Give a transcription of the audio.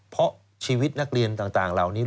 เพราะชีวิตนักเรียนต่างเหล่านี้